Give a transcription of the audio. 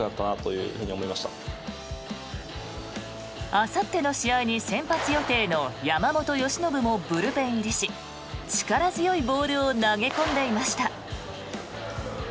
あさっての試合に先発予定の山本由伸もブルペン入りし力強いボールを投げ込んでいました。